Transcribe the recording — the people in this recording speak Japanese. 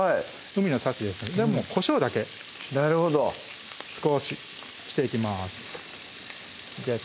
海の幸ですのでこしょうだけなるほど少ししていきますじゃあ